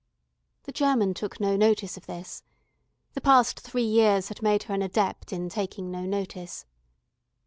The German took no notice of this. The past three years had made her an adept in taking no notice.